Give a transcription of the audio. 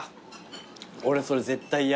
俺それ絶対嫌。